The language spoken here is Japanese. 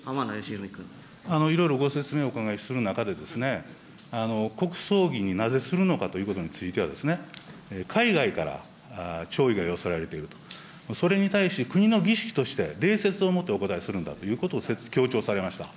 いろいろご説明をお伺いする中で、国葬儀になぜするのかということについては、海外から弔意が寄せられていると、それに対し、国の儀式として礼節をもってお応えするんだということを強調されました。